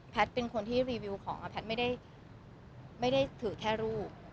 เป็นคนที่รีวิวของแพทย์ไม่ได้ถือแค่รูป